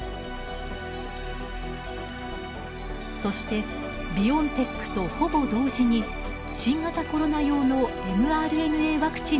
そしてビオンテックとほぼ同時に新型コロナ用のｍＲＮＡワクチンの開発に成功。